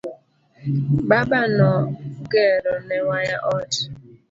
Baba no gero ne waya ot.